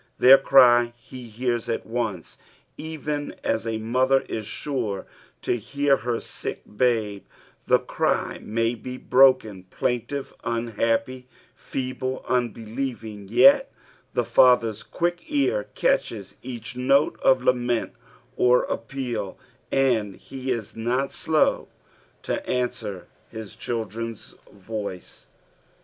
Their cry he hears at once, even as a mother is sure to hear her sick babe ; the cry may be broken, plaintive, unhappy, \ feeble, unbelieving, yet the Father's quick ear catches each note of lament or > appeal, and he is not slow to answer his children's voice.